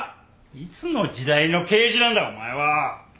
いつの時代の刑事なんだお前は！